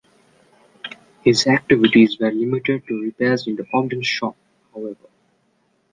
His activities were limited to repairs in the Ogden shop, however.